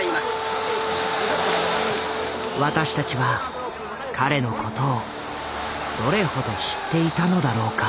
私たちは彼のことをどれほど知っていたのだろうか。